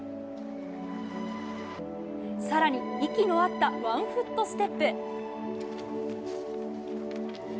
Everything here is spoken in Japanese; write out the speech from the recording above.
更に息の合ったワンフットステップ。